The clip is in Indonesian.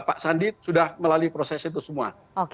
pak sandi sudah melalui proses itu semua